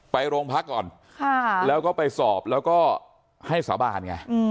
ไปโรงพักก่อนแล้วก็ไปสอบแล้วก็ให้สาบานไง